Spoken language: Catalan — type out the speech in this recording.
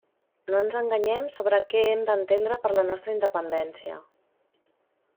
No ens enganyem sobre què hem d'entendre per la nostra independència.